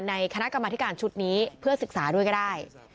ในคณะกรรมธิการชุดนี้เพื่อศึกษาด้วยก็ได้